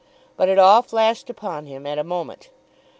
But it all flashed upon him at a moment.